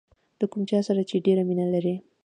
د کوم چا سره چې ډېره مینه لرئ.